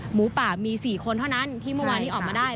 หมูป่ามี๔คนเท่านั้นที่เมื่อวานนี้ออกมาได้